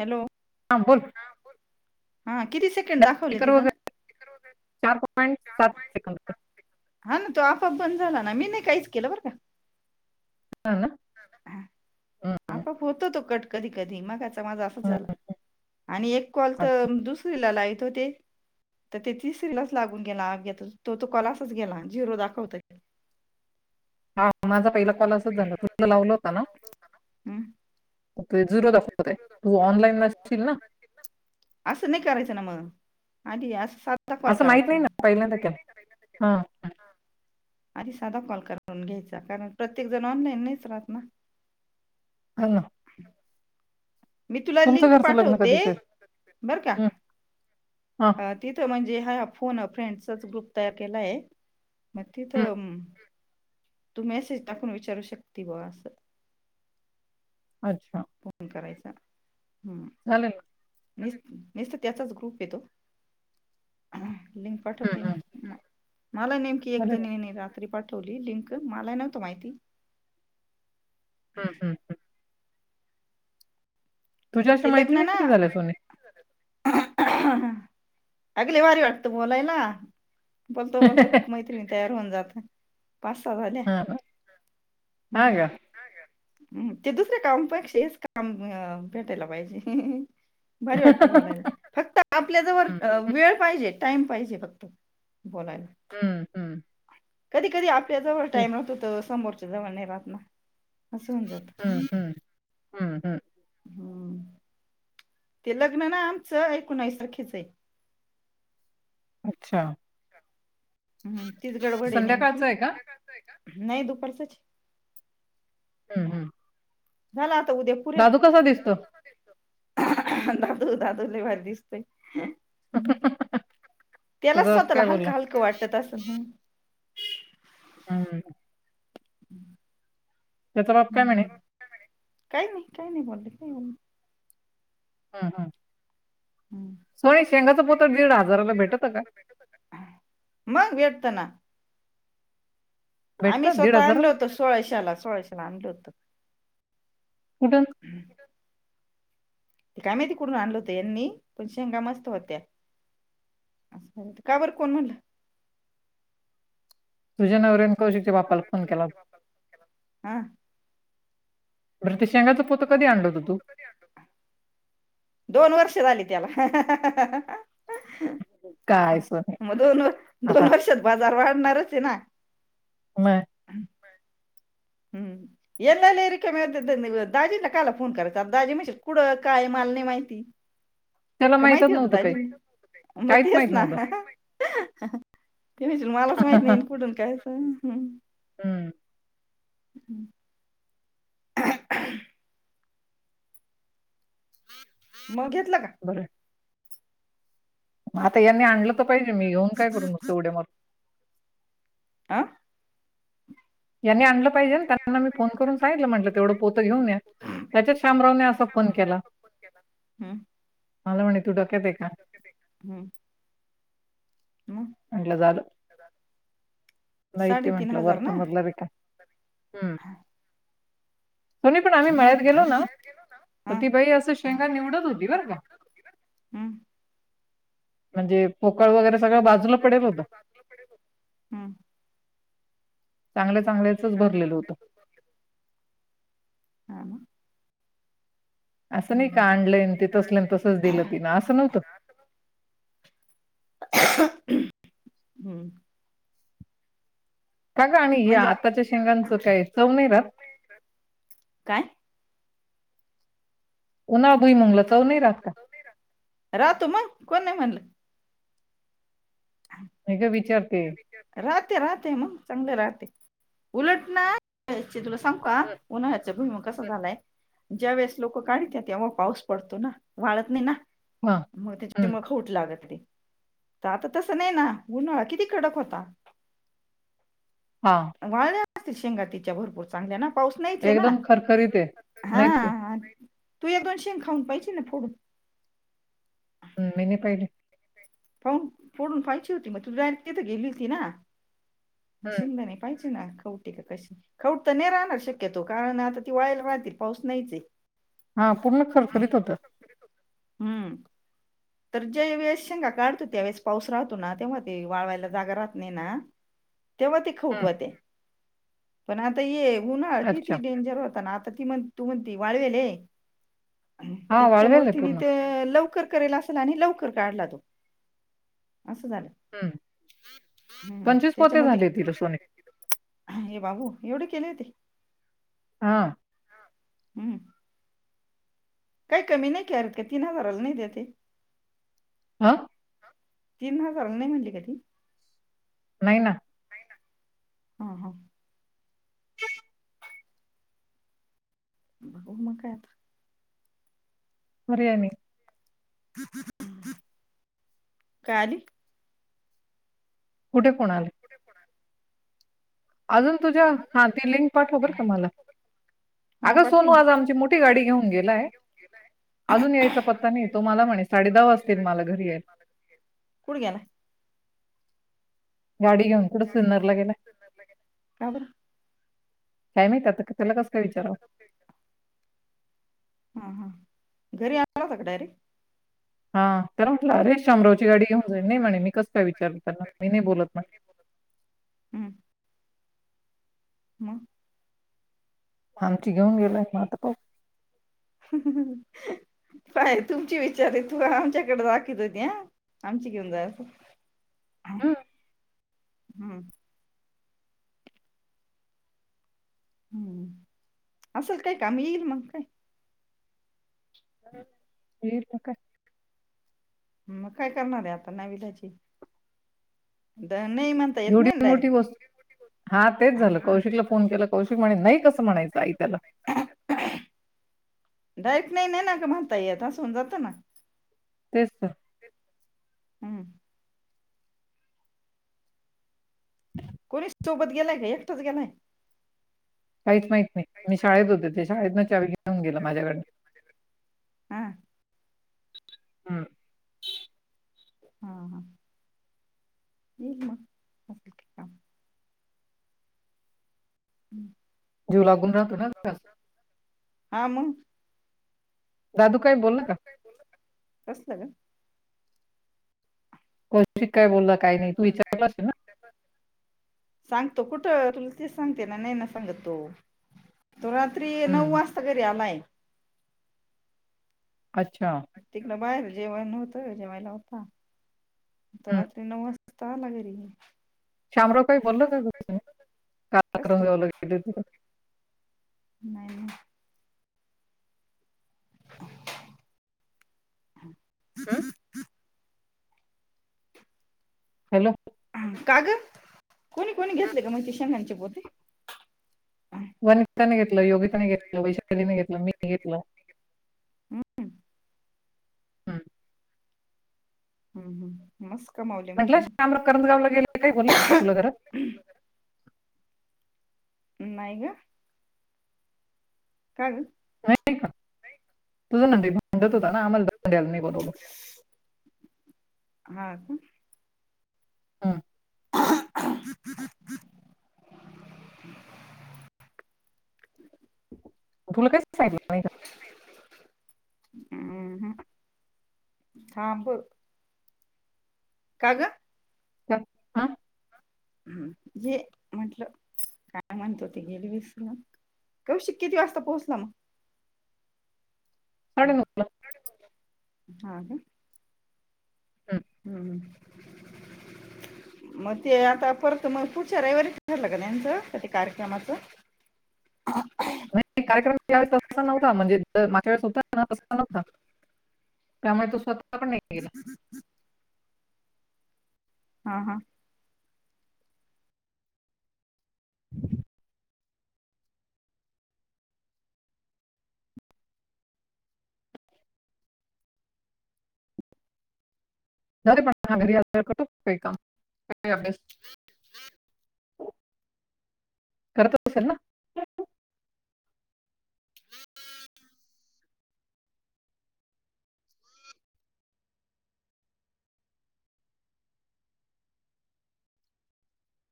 Hello हां बोल हा कीतीचे दाखवले स्पीकर त वगैरे चार पॉईंट सात सेकंद हा ना तो आपआप बण झाला ना मी नाही काहीच केलं बर का. ह ना हम्म, आपाआप होतो तो कट कधी कधी मग. माझा अस हम्म. झालं आणि एक कॉल तर अच्छा दुसरीला ला यत होते. तर ते ती सिरलच लागून गेला अग तो तो कॉलाच गेला झिरो दाखवत. हा माझा पहिला कॉल असच झाला तुम लावल होता ना झिरो दफ्वत आहे तू ऑनलाईन नशील ना. असं नाही करायचं ना मग आी असं. कॉल असं माहत नाही करायचा ना पहिल्यांदा क हा. आधी साधा कॉल करून घ्यायचा कारण प्रत्येक जण ऑनलाईन नाहीच राहत ना. हां मी तुला तुमचं लिंक घरचं लग्न पाठवते कधीच आहे बरं का? हम्म, हा अ, तिथं म्हणजे हा फोन फ्रेंडचाच ग्रुप तयार केला आहे. मग तिथ हम्म. तू मेसेज टाकून विचारू शकते बा असं. अच्छा फोन करायचा ह झाले ना. मी नसत त्याचाच ग्रुप येतो. हा लिंक पाठवते हम्म, हम्म. मी मला नेमकी एक चालेल ना जणी रात्री पाठव. ली लिंक मला नव्हत माहिती हम् हम तुझ्या अश्या मैत्रिणी कधी झाल्या सोने. अगली वारी वाटत बोलायला. बोलतो बोलतो खूप मैत्रिणी तयार होऊन जात. पाच ह झाल्या हा ना? हा हम्म. का हम् ते दुसऱ्या कामपेक्षाच काम भेटायला पाहिजे. भरी वाटतं बोलायला फक्त आपल्याजवळ हम्म, वेळ पाहिजे टाइम पाहिजे फक्त बोलायला ह, ह कधी, कधी आपल्या जवळ टाईम राहतो त समोरच्या जवळ नाही राहत ना असं होऊन जात ह, ह, ह, ह हम्म ते लग्न ना आमचं एकोणावीस तारखेच आहे अच्छा हम्म तीच गडबड आहे नेमकी संध्याकाळचं आहे का नाही दुपारचच ह, ह झाला आता उद्या पुऱ्या दिसतो दादू, दादू लई भारी दिसतोय ह केलंस त्याला तुझा बाप स्वतःला काय हलक, बोलला हलकं वाटत असेल ह हम त्याचा बाप काय म्हणे हम्म. काही नाही, काही नाही बोलले काय बोल हम्, हम् सोय शेंगाचं पोत दीड हजाराला भेटत का मग भेटत ना आम्ही भेटतं दीड स्वतः आणलो हजाराला होतो सोळाशाला, सोळाशेला आणल होत कुठून हम काय माहिति कुठुन आणल होतं यांनी पण शेंगा मस्त होत्या काय बर कोण म्हटलं तुझ्या नवऱ्यानं आ बर ते शेंगाच पोत कधी आणलं होतं तू दोन वर्ष झाली त्याला हा काय सोनी मग दोन व आता दोन वर्षात बाजार वाढणारच आहे ना म हं ये नाही रिक म दाजीना कायला फोन करायचचा दाजी म्हणजे कुडं काय मल नाही माहिती त्याला का माहीतच माहिती होत नव्हतं काही दाजी मग काहीच तेच माहित ना नव्हतं मलाच माहीत नाही कुठून काय? ह हम. हम्म हं मग घेतलं का बर म आता यांनी आणलं तर पाहिजे मी येऊन काय कर नसते उड्या मारू आ यांनी आणलं पाहिजे ना त्यांना मी फोन करून सांगितलं म्हटलं तेवढं पोत घेऊन या त्याच्यात श्यामरावने असा फोन केला हम्म मला म्हणे तू डक्यात आहे का हम्म मग म्हटलं झालं माहिती साडेतीन म्हंटलं वर हजार चा ना मजला रिका हम्म हा होनी पण आम्ही मळ्यात गेलो ना तर हा. ती बाई असं शेंगा निवडत होती बरं का हम्म म्हणजे पोकळ वगैरे सगळं बाजूला पडेल होतं हम्म चांगल्या चांगल्याचच भरलेलं होतं हा ना असं नाही का आणलंन ते तसलन तसंच दिलं तिला असं नव्हतं [inaudible] हम्म का ग आणि या म्हणजे आत्ताच्या शेंगांचं काय चव नाही राहात? काय? उन्हाळ भुईमुंगला चव नाही राहत का? राहतो मग कोण नाही म्हणलं? नाही ग विचारते राहते राहते मग चांगले राहते उलट ना तुला सांगू का? उन्हाळ्यात भुईमुग कसा झालाय? ज्या वेळेस लोकं काढीत्या तेव्हा पाऊस पडतो ना वाळत नाही ना हां मग त्याच्या हं. मुळं खवूट लागतंय त आता तसं नाही ना उन्हाळा किती कडक होता? हां वाळ्यां असतील शेंगा तिच्या भरपूर चांगल्या ना पाऊस नाहीचे ना एकदम खरखरीत आहे. [unintelligible] नाहीच आहे. हा तू एक, दोन शेग खाऊन पाहिची ना फोडून हम् मी नाही पहिली कावुन फोडून पाायची होती मग तू डायरेक्ट तिथं गेली होती ना? हं. शेंगदाने पाहिचे ना खाऊन कशी खवुट तर नाही राहणार शक्यतो कारण आता ती वाळेल राहती पाऊस तर नाहीचय हा पूर्ण खर खरीत होत हम्म. तर ज्या वेळेस शेंगा काढतो ना त्यावेेळेस पाऊस राहतो ना तेव्हा ते वाळवायला जागा राहत नाही ना तेव्हा ते खऊट हं. होत्या. पण आता ये उन्हाळ किती अच्छा. डेंजर होता ना आता ती म्हण तू म्हणती वाळवेल ये हां, त्याच्यामुळे वाळवेल आहे तिने पूर्ण. ते लवकर करेल अस चला [unintelligible] आणि लवकर काढला तो असं झालं हम्म हम्म पंचवीस पोते त्याच्यामुळे ते झाले तिला सोने हे बाबो! एवढे केले होते? हा हम्म काही कमी नाही करत का तीन हजाराला नाही देतये? हा तीन हजाराला नाही म्हणली का ती? नाही ना हा हा खाऊ मग काय आआता पर्याय नाही [inaudible] काय आली? कुठे कोण आलंय? कुठे कोण आलय? अजून तुझ्या हां ती लिंक पाठव बरका मला हा अगं पाठवील सोनू ना आज आमची मोठी गाडी घेऊन गेलाय अजून यायचा पत्ता नाही तो मला म्हणे साडे दहा वाजतील मला घरी यायला कुठं गेलाय? वाडीगाव [unintelligible] का बरं? काय माहित आता त्याला कस काय विचारवं? हा हा घरी आला होता का डायरेक्ट? हा त्याला म्हटलं अरे शामरावची गाडी घेऊन जाय. नाही म्हणे मी कसं काय विचारू त्याला मी नाही बोलत म्हणे हम्म. हम्. आमची घेऊन गेलय मता प काय तुमची विचार आहे तु आमच्याकडे दाखत होती ह. आमची घेऊन जा हं, हम्म. हम्म असंच काही कामी येईल मग काय? व पका. मग काय करणार आहे आता नवी त्याची द नाही म्ह. एवढी मोठी गोस्. हा तेच झालं कौशिकला फोन केला कौशिक म्हणे नाही कसं म्हणायचं आई त्याला डाईट नाही नाही ना का म्हणता येत असन जातं ना. तेस हम्म. कोणी सोबत गेलाय का एकटाच गेलाय. काहीच माहत नाही मी शाळेत होते ते शाळेतच आवे घेऊन गेो माझ्याकडं. हा हा. हा हा. ये म जीव लागून राहतो ना हां मग दादू काही बोल का! कसलं ग. कौशिक काय बोलला काही नाही तू विचारला असेल ना. सांगतो कुठं तुल ते सांगते ना नाही ना सांगत तो तो रात्री नऊ हम्म वाजता तरी आलाय. अच्छा. तिकड बाहेर जेवायण होतं जेवायला होता तो हम्म रात्री नऊ वाजता. ता लाग र. शामराव काही बोललत तु कालाक्रम कसलं जाव गेले. नाही. हम्म ततीती हॅलो. हा कागद कोणी कोणी हम्म. घेतले का म्हणे शेंगांचे पोते. हम्म वनिताने घेतलं योगिताने घेतलं वैशालीने घेतलं मी घेतलं. हम्म हम्म हम् मस् कमावली म्हटम करंंदगावला गेले काही बोल तुला जरा नाही नाही का? काण नाही पण तुझं ना भांडत होता ना आम्हाला भ द्यायला नाही बनवलं. हा का? हम. तुला काय? ह ह साबू. काग. का हा. ह ज मतलब. काय म्हणत हो ते गेली विसरून कौशिक किती वाजता पोहोचला मग साडे नऊला हा. हम्. हम्. मग ते आता परत मग पुढच्या रविवारी ठरलं ग त्यांचं क ते कार्यक्रमाचं ह नाही कार्यक्रमवेळेस तसा नव्हता म्हणजे माझ्या वेळेस होता तसा नव्हता त्यामुळे तो स्वतः पण नाही गेला हा हा हम् ज घर यादगार करू का काम अ्यास करत असेल ना [unintelligible]